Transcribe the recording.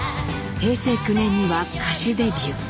平成９年には歌手デビュー。